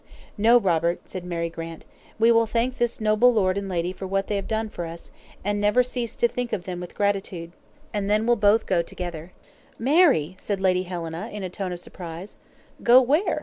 "No, Robert," said Mary Grant, "we will thank this noble lord and lady for what they have done for us, and never cease to think of them with gratitude; and then we'll both go together." "Mary!" said Lady Helena, in a tone of surprise. "Go where?"